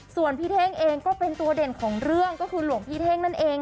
ส่วนพี่เท่งเองก็เป็นตัวเด่นของเรื่องก็คือหลวงพี่เท่งนั่นเอง